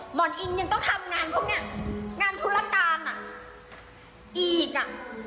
หมอนอิงยังต้องทำงานพวกเนี้ยงานธุรการอ่ะอีกอ่ะ